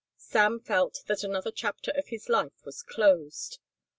Sam felt that another chapter of his life was closed.